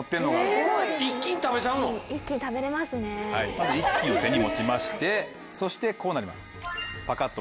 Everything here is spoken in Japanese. まず１斤を手に持ちましてそしてこうなります。